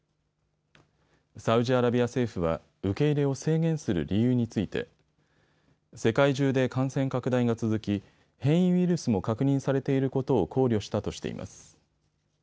サウジアラビア政府は受け入れを制限する理由について世界中で感染拡大が続き変異ウイルスも確認されていることを考慮したとしています。